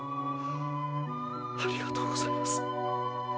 ありがとうございます！